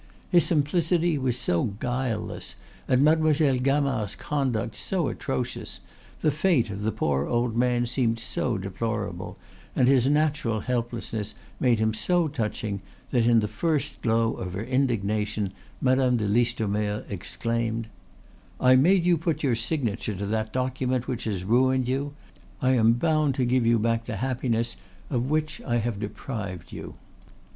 His simplicity was so guileless and Mademoiselle Gamard's conduct so atrocious, the fate of the poor old man seemed so deplorable, and his natural helplessness made him so touching, that in the first glow of her indignation Madame de Listomere exclaimed: "I made you put your signature to that document which has ruined you; I am bound to give you back the happiness of which I have deprived you."